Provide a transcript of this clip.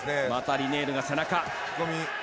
リネールが背中。